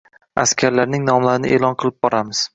askarlarning nomlarini e’lon qilib boramiz.